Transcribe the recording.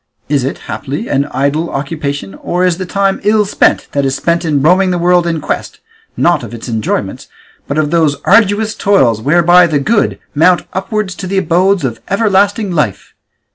Is it, haply, an idle occupation, or is the time ill spent that is spent in roaming the world in quest, not of its enjoyments, but of those arduous toils whereby the good mount upwards to the abodes of everlasting life?